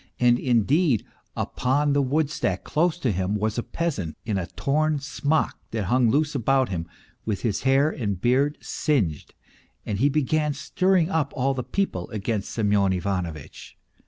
And, indeed, upon the woodstack, close to him, was a peasant, in a torn smock that hung loose about him, with his hair and beard singed, and he began stirring up all the people against Semyon Ivanovitch.